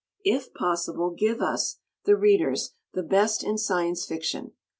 If possible, give us, the Readers, the best in Science Fiction.